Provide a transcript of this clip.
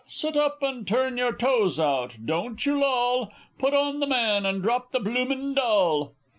Sit up, and turn your toes out, don't you loll; Put on the Man, and drop the bloomin' Doll!